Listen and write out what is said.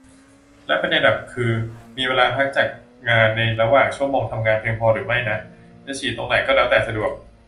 และประเด็นหลักคือ มีเวลาพักจากงานในระหว่างชั่วโมงทำงานเพียงพอหรือไม่น่ะ จะฉี่ตรงไหนก็แล้วแต่สะดวก